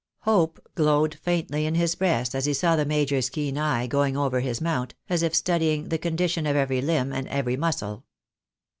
Hope glowed faintly in his breast as he saw the Major's keen eye going over his mount, as if studying the condition of every limb and every muscle.